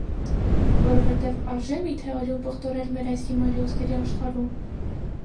Որովհետև արժե՞ միթե արյուն պղտորել մեր այս հիմարիոսների աշխարհում: